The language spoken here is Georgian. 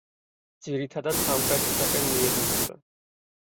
ძირითადად სამხრეთისაკენ მიედინება.